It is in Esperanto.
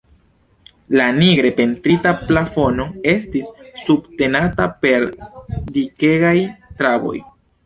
La nigre pentrita plafono estis subtenata per dikegaj traboj.